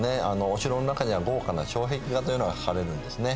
お城の中には豪華な障壁画というのが描かれるんですね。